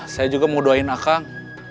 saya juga mau doain akang